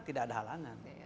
tidak ada halangan